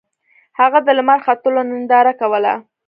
هغه د لمر ختلو ننداره کوله.